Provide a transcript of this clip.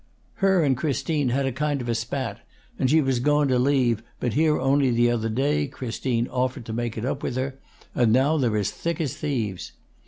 "Her and Christine had a kind of a spat, and she was goun' to leave, but here only the other day, Christine offered to make it up with her, and now they're as thick as thieves.